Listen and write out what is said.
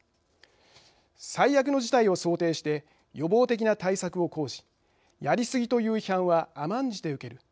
最悪の事態を想定して予防的な対策を講じやりすぎという批判は甘んじて受ける。